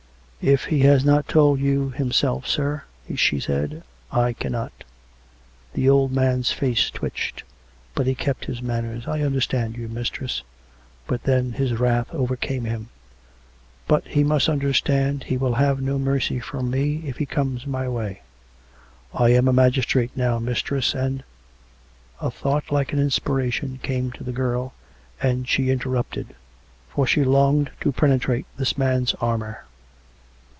" If he has not told you himself, sir/' she sraid, " I can not." The old man's face twitched; but he kept his manners. " I understand you, mistress. ..." But then his wrath overcame him. " But he must understand he will have no mercy from me, if he comes my way. I am a magistrate, now, mistress, and " A thought like an inspiration came to the girl; and she interrupted; for she longed to penetrate this man's armour.